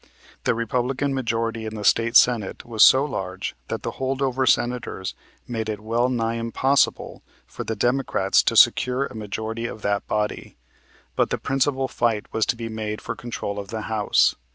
The Republican majority in the State Senate was so large that the holdover Senators made it well nigh impossible for the Democrats to secure a majority of that body, but the principal fight was to be made for control of the House.